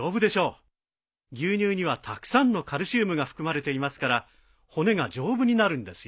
牛乳にはたくさんのカルシウムが含まれていますから骨が丈夫になるんですよ。